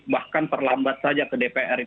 bahkan terlambat saja ke dpr